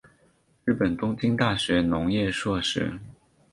日本东京大学农学硕士。